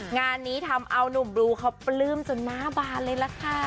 งานนี้ทำเอานุ่มบลูเขาปลื้มจนหน้าบานเลยล่ะค่ะ